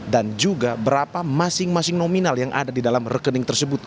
dan juga berapa masing masing nominal yang ada di dalam rekening tersebut